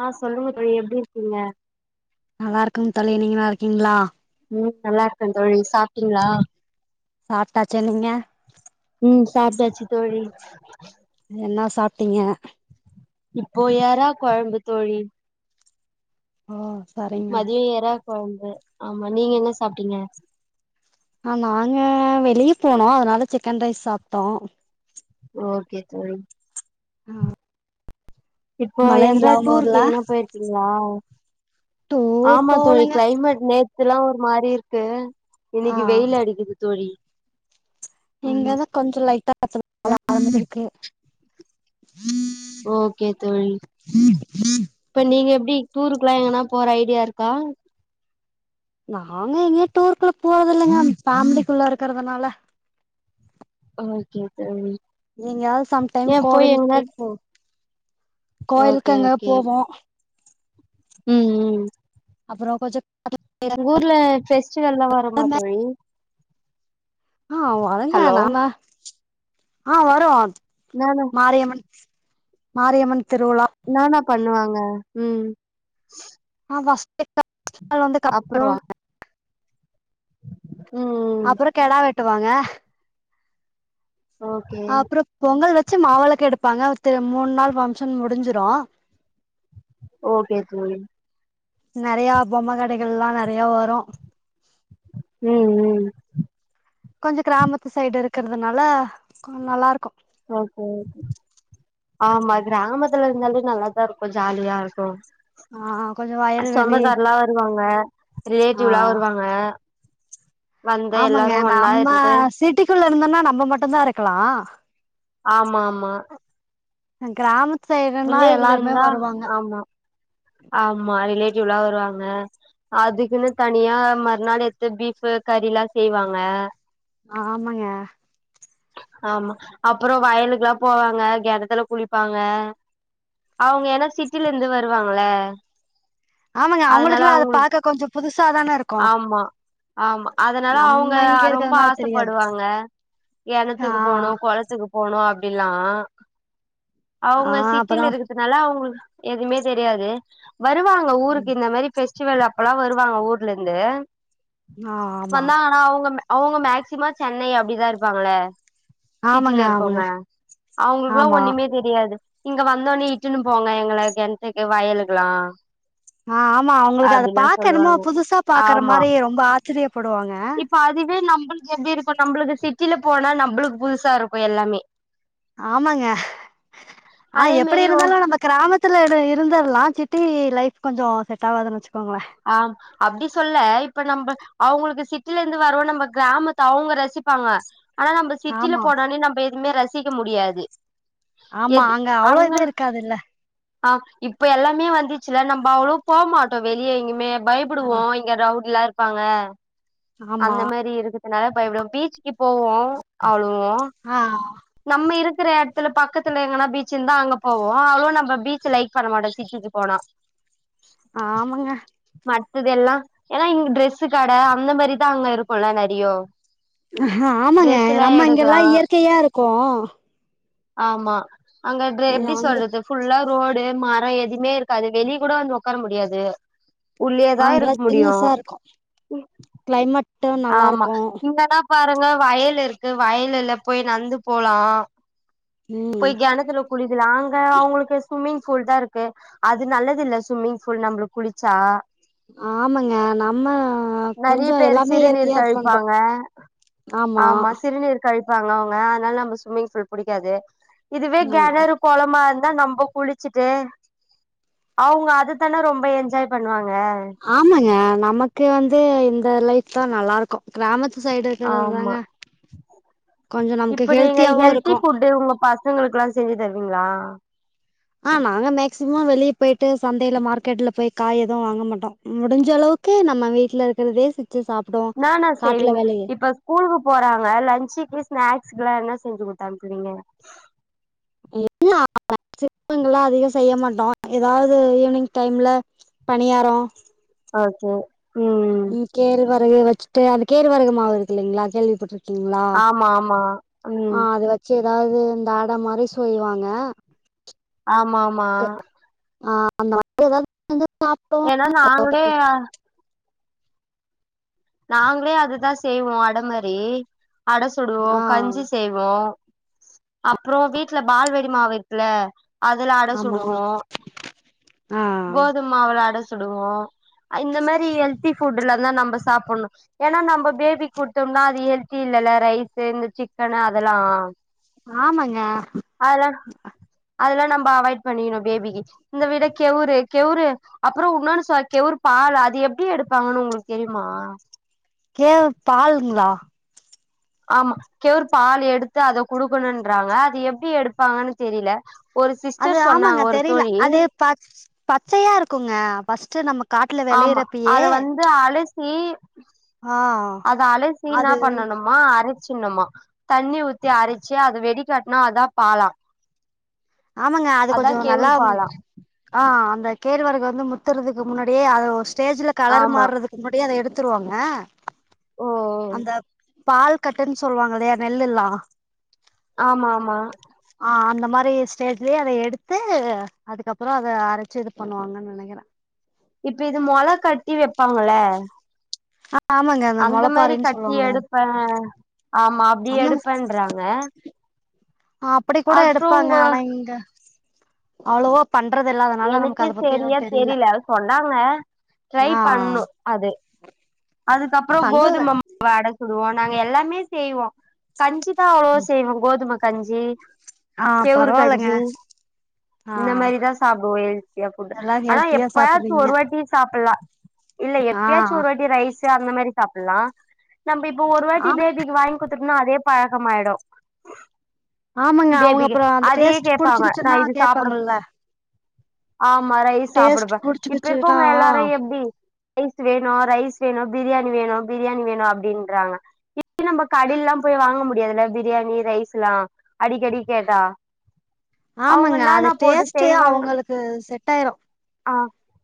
ஆ சொல்லுங்க தோலி எப்டி இருக்கீங்க நல்லாருக்கேங்க தோலி நீங்க நல்லா இருக்கீங்ளா உ நல்லா இருக்கே தோலி சாப்ட்டீங்ளா சாப்டாச்சா நீங்க உ சாப்டாச்சு தோலி என்ன சாப்ட்டீங்க இப்போ எறா கொலம்பு தோலி ஓ சரிங்க மதியோ எறா கொலம்பு உ ஆமா நீங்க என்ன சாப்ட்டீங்க அ நாங்க வெளிய போனோ அதுனால சிக்கன் ரைஸ் சாப்ட்டோ ஓகே தோலி ஆ இப்போ எதனா டூருக்கு எங்கன்னா போயிருக்கீங்ளா டூர் ஆமா தோலி போலங்க கிளைமேட் நேத் இதுலா ஒரு மாரி இருக்கு ஆ இன்னிக்கு வெயில் அடிக்குது தோழி ஆமா இங்கதா கொஞ்ச லைட்டா [inaudible] வந்துருக்கு ஓகே தோழி இப்ப நீங்க எ ப்டி டூருக்குல்லா எங்கனா போற ஐடியா இருக்கா? நாங்க எங்கயு டூருக்லா போறதுல்லங்க ஃபேமிலிக்குள்ள இருக்கறதுனால ஓகே தோழி எங்யாது சம் டைம் ஏ போய் எங்கனா கோவில்க்கு போ கோயில்க்கு ஓகே எங்கயா ஓகே போவோ ம் ம் அப்பறொ கொஞ்ச உங்க ஊர்ல ஃபெஸ்டிவல்லா வருமா தோழி ஆவ் அவெங்கா ஹலோ நாம ஆ வரூ நானா மாரியம்மன் மாரியம்மன் திருவிழா என்னான்னா பண்ணுவா ங்க ம் அ ஃபர்ஸ்ட் [inaudible] அதுவந்து கப் அப்றோ தருவாங்க ம் ம் அப்பறொ கெடா வெட் டுவாங்க ஓகே அ அப்றோ பொங்கல் வ ச்சு மா வெளக்கு எடுப்பாங்க அத்து மூண் நாள் ஃபங்ஷன் முடுஞ்சுரு ஓகே தோழி நறையா பொம்ம கடைகள்லா நறையா வரு ம் ம் கொஞ்ச கிராமத்து சைடு இருக்கறதுனால கொ நல்லாருக்கு ஓகே ஆமா கிராமத்துல இருந்தாலே நல்லா தா இருக்கு ஜாலியா இருக்கு ஆ கொஞ்சோ வயல்வெளி சொந்தக்கார்லா வருவாங்க ஆ ரிலேட்டிவ்லா வருவாங்க வந்து ஆமாங்க எல்லாரு ஒன்னா நம்ம இருந்து சிட்டிக்குள்ள இருந்தொன்னா நம்ம மட்டுந்தா இருக்கலா ஆமாமா கிராமத் வில்லேஜுல இந்தா ஆமா ஆமா ரிலே ட்டிவ்லா வருவாங்க அதுக்குன்னு தனியா மறுநாள் எட்த்து பீஃபு கறிலா செய்வாங்க ஆமாங்கே ஆமா அப்பறோ வயலுக்குலா போவாங்க கெணத்துல குளிப்பாங்க அவுங்க ஏனா சிட்டில இருந்து வருவாங்கல்ல ஆமாங்க அதனால அவங்களுக்குல்லா அத அவுங்களு பாக்க கொஞ்சோ புதுசா தான இருக்கு ஆமா ஆமா அதனால அவங்க நம்ம இங்க ரொம்ப இருக்கிறதுனால தெரியாது ஆசப்படுவாங்க ஆ கெணத்துக்கு போணு கொளத்துக்கு போணு அப் ப்பில்லா ஆ அப்புறோ ச்சில இருக்கதுனால அவ்களுக்கு எதுமே தெரியாது வருவாங்க ஊருக்கு இந்த மாரி ஃபெஸ் ச்சிவல் அப்பலா வருவாங்க ஊர்லந்து ஆ ஆமா வந்தாங்கனா அவுங்க மே அவுங்க மேக்சிமோ சென்னை அப்டிதா இருப்பாங்கள ஆமாங்க சிட்டில ஆமாங்க இருக்கோங்க அவங்களுக்குலா ஆமா ஒண்ணுமே தெரியாது இங்க வந்த ஒன்னே இட்டுனு போங்க எங்கள கெணத்துக்கு வயலுக்குலா ஆ ஆமா அவங்களுக்கு அத பாக்க எனமோ புதுசா பாக்குற ஆமா மாரி ரொம்ப ஆ சிரியப் இப்ப அதுவே நம் நம்பளுக்கு எப்டி இருக்கு நம்பளுக்கு சிட்டில போனா நம்பளுக்கு புதுசா இருக்கு எல்லாமே ஆமாங்க ஆ அதே எப்படி மாரி ஒ இருந்தாலு நம்ம கிராமத்துல இட இருந்துரலா சிட்டி லைஃப் கொஞ்சோ செட்வாதுனு வச்சு ஆம் அப்டி சொல்ல இப்ப நம்ம அவுங்களுக்கு சிட்டில இருந்து வரவு நம்ம கிராமத்த அவுங்க ரசிப்பாங்க ஆனா நம்ப சிட்டில ஆமா போனோனே நம்பெ எ இன்மே ரசிக்க முடியாது ஆமா அங்க அவ்ளோ இதா இருக்காதுல்ல ஆ இப்ப எல்லாமே வந்துச்சுல நம்ம அவ்ளோ போமாட்டோ வே கியே எங்கிமே ஆ பயப்படுவோ இங்க ரவுட்லேக் பாங்க ஆமா அந்த மெரி இருக்குது அனால பயப்டுவோ பீச்சுக்குப்போவோ அவ்ளோ வோ ஆ நம்ம இருக் இருக்கிற எடத்துல பக்கத்துல எங்கனா பீச் இருந்தா அங்க போவோ அவ்ளோ நம்ம பீச்சு லைக் பண்ண மாட்டோ சிட்டிக்கு போனா ஆமாங்க மத்ததெல்லா ஏனா இங்க டிரரெஸ்சு கட அந்த மெரிதா அங்க இருக்குல நெறையோ ஆமாங்க ட்ரெஸ் எல்லா நம்ம இங்கெல்லா எடுக்கலா இயற்கையா இருக்கோ ஆமா அங்க டேரே எப்டி அங்க சொல்றது ஃபுல்லா ரோடு மர எதுமே இருக் காது வெளி கூட வந்து ஒக் உக்கார முடியாது உள்ளேதா அங்கெல்லா இருக் முடியு சில்னஸா இருக்கு கிளைமேட்டு நல்லா ஆமா இருக்கு இங்க தா பாருங்க வயல் இருக்கு வயலுல போய் நந்து போலா ம் போய் கெணத்துல குளிக்கிராங்க அவுங்ளுக்கு சுமிங் கூல்டாருக்கு அது நல்லது இல்ல சுமிங்ஃபுல் நம்ளு குளிச்சா ஆமாங்க நம்ம நெறைய கொஞ்சோ பேரு எல்லா சிறுநீர் கழிப்பாங்க ஆமா சிறுநீர் கழிப் பாங்க அவ்ங்க அதனால நம்ப சுமிங்ஃபுல் புடிக்காது இதுவே ஆ கெணரு கொளமாந் [unintelligible] நம்போ குளிச்சிட்டு அவ்ங்க அதுதனே ரொம்ப என்ஜாய் பண்ணுவாங்க ஆமாங்க நமக்கு வந்து இந்த லைஃப் தா நல்லாருக்கும் கிராமத் ஆமா கொஞ்சோ நமக்கு இப்டி நீங்க ஹெல்த்தியாவு ஹெல்தி இருக்கு ஃபுட்டு உங்க பசங்ளுக்குலா செஞ்சு தருவீங்ளா அ ஆ நாங்க மேக்சிமோ வெளிய போய்ட்டு சந்தைல மார்க்கெட்ல போய் காய் எதுவு வாங்க மாட்டோ முடிஞ்சளவுக்கு நம்ம வீட்ல இருக்றதே செஞ் இனான செய்விங்க இப்ப ஸ்கூலுக்கு போறாங்க லன்சுக்கு ஸ்நாக்ஸ் இதெல்லா என்ன செஞ்சு குடுத்தானுப்புவீங்க என்னா [inaudible] அதிகோ செய்ய மாட்டோ ஏதாவது ஈவினிங் டைம்ல பணியாரோ ஓகே ம் கேள் வரகு வச்சிட்டு அந்த கேழ்வரகு மாவு இருக்கில்லிங்ளா கேள்விப்பட்டுரு ஆமா ஆமா ஆ ம் அது வச்சி எத் அதாவது இந்த அட மாரி சொய்வாங்க ஆமாமா ஆ அந்த மாரி எதாது எனா நாங்ளே அ நாங்ளே அதுதா செய்வோ அட மரி அட சுடுவோ ஆ கஞ்சி செய்வோ அப்புறோ வீட்ல பால் வை [unintelligible] மாவிட்ல அதுல அட ஆமா சுடுவோ ஆ கோதுமாவுள அட சுடுவோ இந்த மாரி ஹெல்த்தி ஃபுட்டுல தா நம்ப சாப்புணு ஏன்னா நம்ம பேபி கொடுத்தோம்னா அது ஹெல்தி இல்லல ரைஸ்சு இந்த சிக்கனு அதெலா ஆமாங்க அதெல்லா நம்ப அவாய்ட் பண்ணிக்கணு பேபிக்கு இந்த விடேக் கெவுரு கெவுரு அப்புறோ உன்னொன்னு சொல் கெவுரு பால் அது எப்டி எடுப்பாங்கன்னு உங்களுக்கு தெரியுமா கே பாலுங்களா ஆமா கெவுர் பால் எடுத்து அத குடுக்கணும்ன்றாங்க அது எப்டி எடுப்பாங்கன்னு தெரில ஒரு அது சிஸ்டர் சொன்னாங்க ஆமாங்க ஒரு தெரில தோழி அது ப பச்சையா இருக்குங்க ஃபஸ்ட் நமக் ஆமா அத வந்து அழு ஈ ஆ அத அலசிஎனா அது பண்ணணுமா அரி சின்னமா தண்ணி ஊத்தி அரிச்சு அத வெடி காட்னா அதா பாலா ஆமாங்க அது அதா கொஞ்சோ நல்லா கெவுரு பாலா ஆ அந்த கேழ்வரகு வந்து முத்துறதுக்கு முன்னாடியே அது ஸ்டேஜ்ல கலர் ஆமா மாறுதுகு முன்னாடியே அத எடுத்து த்துருவாங்க ஓ அந்த பால் கட்டுன்னு சொல்லுவாங்க இல்லையா நெல்லுல்லா ஆமா ஆமா ஆ அந்த மாரி சேர்லயே அத எடுத்து அதுக்கப்புறோ அத அரச்சு இது பண்ணுவாங்கன்னு நெனைக்கிறே இப்ப இது மொள கட்டி வைப்பாங்களே ஆ ஆமாங்க அந்த மொளப்பாரின்னு சொல்லுவாங்கள எடுப்பே ஆமா அப்டி எடுப்பண்றாங்க அப்டி கூட எடுப்பாங்க ஆனா இங்க அவ்ளோவா எனக்கு சரியா தெரில சொன்னாங்க ட்ரை ஆ பண்ணு அது அதுக்கப்புறோ பண்ணல கோதும அட சுடுவோ நாங்க எல்லாமே செய்வோ கஞ்சி ப்ப அவ்ளோ செய்வோ கோதும கஞ்சி ஆ கேவுரு பரவாயில்லங்க கஞ்சி ஆ இந்த மாரிதா சாப்டுவோ ஹெல்த்தியா ஃபுட் எல்லா ஆனா ஹெல்த்தியா எப்பயாச் சாப்பிடுறீங்க ஒரு வாட்டி சாப்டலா இல்ல ஆ எப்பயாச்சு ஒரு வாட்டி ரைஸ் அந்த மாரி சாப்புலா நம்ம இப்ப ஒரு வாட்டி ஆமா பேபிக்கு வாங்கி குடுத்த னா அதே பழக்கமாயிடு ஆமாங்க அவங்க பேபிக்கு அப்புறோ அந்த அதையே டேஸ்ட் கேப்பாங்க நா புடிச்சுிருச்சுன்னா இது சாப்புடு கேபாங்கல்ல ஆமா ரைஸ் சாப்டுப்பே இப்ப புடிச்சுக்கிச்சுன்னா இருக்கவங்க எல்லாரு எப்டி ரைஸ் வேணு ரைஸ் வேணு பிரியாணி வேணு பிரியாணி வேணு அப்டின்றாங்க இப்ப நம்ம கடைல்லா போய் வாங்க முடியாதுல்ல பிரியாணி ரைஸ்லா அடிக்கடி கேட்டா அவங்க ஆமாயா அத என்னான்னா போட்டு டேஸ்ட் ஸ்ட் செய்வாங்க அவங்களுக்கு செட்ட ஆயிரு ஆ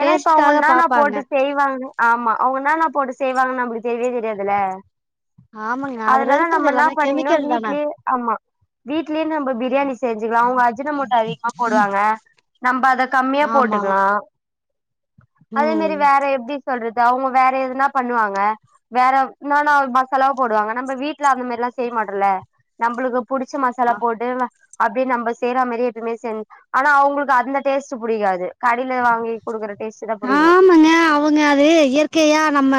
ஏன்னா இப்ப அவங்க டேஸ்ட்காக என்னான்னா பாப்பாங்க போட்டு செய்வாங்க ஆமா அவங்கன்னா நா போட்டு செய்வாங்கன்னு அப்டி தெரியவே தெரியாதுல்ல ஆமாங்க அதுல அதனால இருக்கிறது நம்ம நா எல்லாமே பண்ணிகனு கெமிக்கல் தான வீட்லயே ஆமா வீ வீட்லயே நம்ம பிரியாணி செஞ்சக்கலா அவங்க அஜின மோட்டோ அதிகமா போடுவாங்க நம்ப அத கம்மியா ஆமா போட்டுகளா அதே மாரி ம் வேற எப்டி சொல்றது அவங்க வேற எதுனா பண்ணுவாங்க வேற என்னானா மசாலாவு போடுவாங்க நம்ம வீட்டுல அந்த மாரி லா செய்ய மாட்டல நம்மளுக்கு புடிச்ச மசாலா போட்டு அப்டி நம்ம செய்ற மாரி எப்பவுமே சே ஆனா அவுங் உளுக்கு அந்த டேஸ்ட் புடிக்காது கடைல வாங்கி குடுக்குறது ஆமாங்க அவங்க அது இயற்கையா நம்ம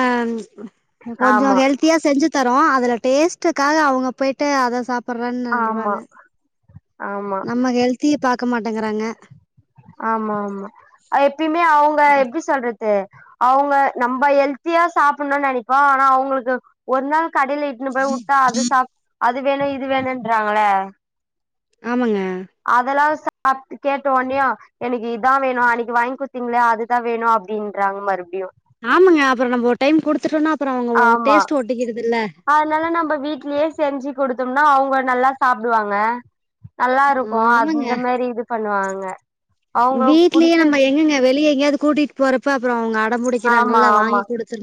கொஞ்சோ ஆமா ஹெல்தியா செஞ்சு தரோ அதுல டேஸ்டுகாக அவங்க போய்ட்டு அத சாப் ப்புரன் ஆமா சொல்றாங்க ஆமா நம்ம ஹெல்திய பாக் க்க மாட்டங்கிறாங்க ஆமா ஆமா அத எப்பமே அவங்க எப்டி சொல்றது து அவங்க நம்ம ஹெல்தியா சாப்பனு நெனைப்போ ஆனா அவங்களுக்கு ஒரு நாள் கடைல இட்டுன்னு போய் வுட்டா அது சாப் அது வேணு இது வேணும்ன்றாங்கள ஆமாங்க அதெல்லா ச அப்டி கேட்ட ஒன்னயா எனக்கு இதா வேணு அன்னைக்கு வாங்கி குடுத்தீங்கள்ளயா அதுதா வேணு அப்டீன்றாங்க மறுபடியு ஆமங்க அப்பறோ நம்ம ஒரு டைம் குடுத்துடோனா ஆமா அதனால நம்ம வீட்லயே செஞ்சு குடுத்த தோம்னா அவங்க நல்லா சாப்டுவாங்க நல்லா இருக்கோ ஆமாங்க அந்த மாரி இது பண்ணுவாங் அ வீட்லயே நம்ம எங்கங்க வெளிய எங்கயாது கூட்டிட்டு போறப்ப அப்றோ அவ்ஙக ஆமா ஆமா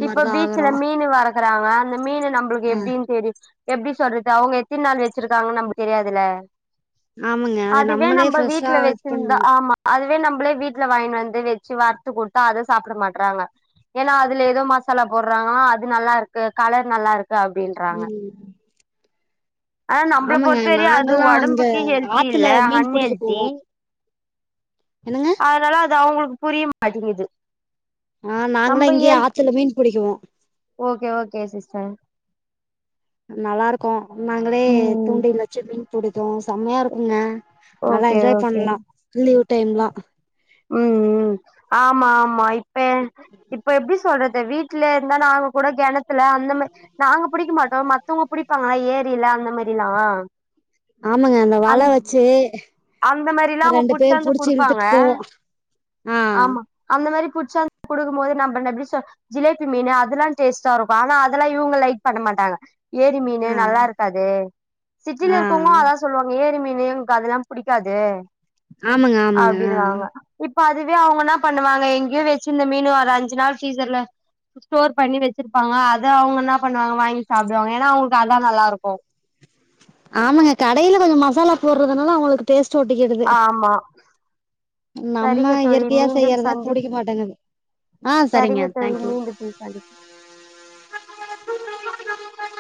இப்ப பீச்சல ஆகுறோம் மீன் வரக்குறாங்க அந்த மீன் நம்மளுக்கு ஆ எப்டின்னு தெரி எப்டி சொல்றது அவங்க எத்தினி நாள் வச்சிருக்காங்கன்னு நமக்கு தெரியாதுல ஆமாங்க அத அதுவே நம்மளே நம்ப ஃப்ரெஷ்ஷா வீட்ல இது வச்சிருந்தா பண்ணணும் ஆமா அது அதுவே நம்மளே வீட்டுல வாங்கினு வந்து வச்சு வறுத்து குடுத்தா அத சாப்ட மாட்றாங்க ஏன்னா அதுல ஏதோ மசாலா போடுறாங்களா அது நல்லா இருக்கு கலர் நல்லா இருக் கு அப்டின்றாங்க ம் ஆனா நம்மள ஆமாங்க பொறுத்தவரையு அது நாங்கல்லாம் இங்க ஒடம்புக்கு ஹெல்தி ஆத்துல இல்ல மீன் புடிக்க போவோம் அன்ஹெல்தி என்னங்க அதனால அது அவங்களுக்கு புரிய மாட்டேங்குது ஆ நாங்களா நம்ம இங்கயே ஹெல்த் ஆத்துல மீன் பிடிக்குவோ ஓகே ஓகே சிஸ்டர் நல்லா இருக்கு நாங்களே ம் தூண்டில் வச்சு மீன் பிடிப்போ சம்மையா இருக்கு என்ன நல்லா ஓகே என்ஜாய் ஓகே பண்லா லீவ் டைம்லா ம் ம் ஆமா ஆமா இப் பயே இப்ப எப்டி சொல்றது இந்த வீட்ல இருந்தா நாங்க கூட கெணத்துல அந்த மாரி நாங்க பிடிக்க மாட்டோ மத்தவங்க பிடிப்பாங்களா ஏரி ரில அந்த மாரிலா ஆமாங்க அந்த அந் வல வச்சு அந்த மாரிலா அவங்க ரெண்டு பேர் புடிச்சாந்து புடிச்சு குடுப்பாங்க இழுத்துட்டு போவோ ஆ ஆமா அந் அந்த மாரி புட்ச்சாந்து குடுக்கும்போது நம்மென்ன எப்டி சொ ஜிலேபி மீனு அதுலா டேஸ்ட்டா இருக்கு ஆனா அதெலா இவங்க லைக் பண்ண மாட்டாங்க ஏரி மீனு ஆ நல்லா இருக்காது சிட்டில ஆ இருக்கவங்களோ அதா சொல்லுவாங்க ஏரி மீன் ஏங்கக்கு அதெலா புடிக்காது ஆமாங்க ஆமாங்க அ அப்டின்னுவாங்க இப்ப அதுவே அவங்கனா பண்ணுவாங்க எங்கேயோ வச்சிருந்த மீன் ஒரு அஞ்சு நாள் பீரிசர்ல ஸ்டோர் பண்ணி வச்சிருப்பாங்க அத அவங்க என்ன பண்ணுவாங்க வாங்கி சாப்பிடுவாங்க ஏன்னா அவங்களுக்கு அதா நல்லா இருக்கு ஆமாங்க கடையில கொஞ்சம் மசாலா போடுறதுனால அவங்களுக்கு டேஸ்ட் தோட்டிக்கு எதிர்வு ஆமா நம்ம சரிங்க தோழி இயற்கையா மீண்டும் செய்யறதா சந்தி புடிக்க மாட்டேங்குது ஆ சரிங்க தோழி தேக் யூ மீண்டும் சந்தி என் [unintelligible]